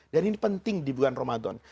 dan ini penting di bulan ramadan